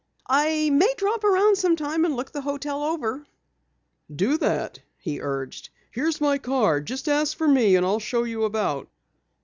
"I may drop around sometime and look the hotel over." "Do that," he urged. "Here is my card. Just ask for me and I'll show you about."